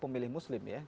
pemilih muslim ya